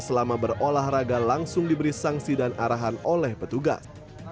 selama berolahraga langsung diberi sanksi dan arahan oleh petugas